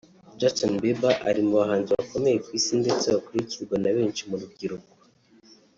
Justin Bieber ari mu bahanzi bakomeye ku Isi ndetse bakurikirwa na benshi mu rubyiruko